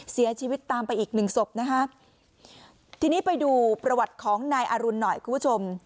เสียชีวิตตามไปอีกหนึ่งศพนะฮะทีนี้ไปดูประวัติของนายอรุณหน่อยคุณผู้ชม